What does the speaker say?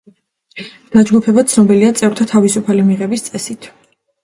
დაჯგუფება ცნობილია წევრთა თავისუფალი მიღების წესით.